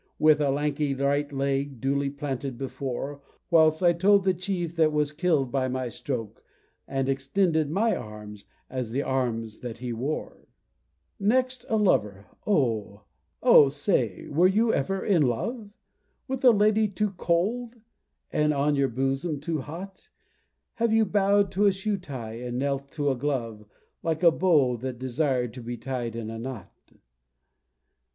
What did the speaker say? With a lanky right leg duly planted before; Whilst I told of the chief that was kill'd by my stroke, And extended my arms as "the arms that he wore!" Next a Lover Oh! say, were you ever in love? With a lady too cold and your bosom too hot? Have you bow'd to a shoe tie, and knelt to a glove, Like a beau that desired to be tied in a knot?